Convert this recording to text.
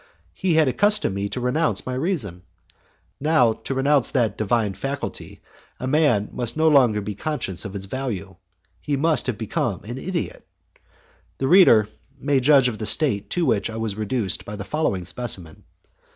He had accustomed me to renounce my reason; now to renounce that divine faculty a man must no longer be conscious of its value, he must have become an idiot. The reader may judge of the state to which I was reduced by the following specimen.